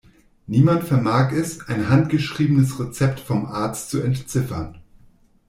Niemand vermag es, ein handgeschriebenes Rezept vom Arzt zu entziffern.